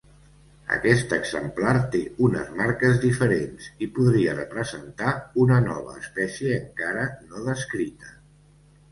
Aquest exemplar té unes marques diferents i podria representar una nova espècie encara no descrita.